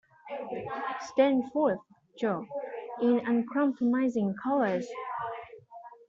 Stand forth, Jo, in uncompromising colours!